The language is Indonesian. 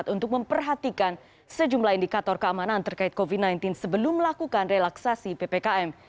untuk memperhatikan sejumlah indikator keamanan terkait covid sembilan belas sebelum melakukan relaksasi ppkm